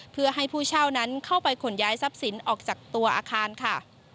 เพื่อให้ผู้เช่านั้นเข้าไปขนย้ายทรัพย์สินออกจากตัวอาคารค่ะ